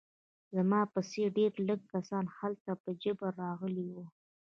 زما په څېر ډېر لږ کسان هلته په جبر راغلي وو